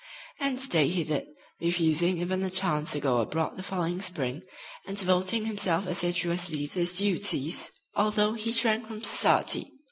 And stay he did, refusing even a chance to go abroad the following spring, and devoting himself assiduously to his duties, although he shrank from society.